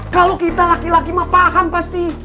kalau kita laki laki mah paham pasti